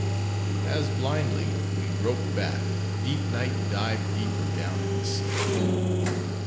As, blindly, we groped back, deep Night dived deeper down in the sea.